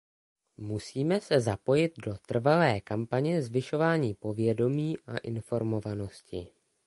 Musíme se zapojit do trvalé kampaně zvyšování povědomí a informovanosti.